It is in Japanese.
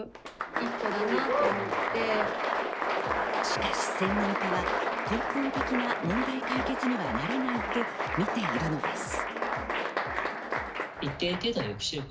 しかし専門家は根本的な問題解決にはならないとみているのです。